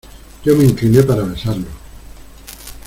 yo me incliné para besarlos: